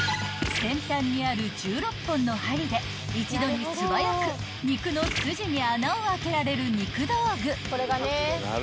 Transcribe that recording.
［先端にある１６本の針で一度に素早く肉の筋に穴を開けられる肉道具］